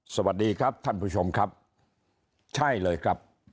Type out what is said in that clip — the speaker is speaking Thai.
สวัสดีครับท่านผู้ชมครับใช่เลยครับ